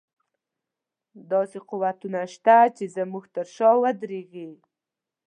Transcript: داسې قوتونه شته چې زموږ تر شا ودرېږي.